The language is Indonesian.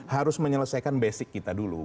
harus menyelesaikan basic kita dulu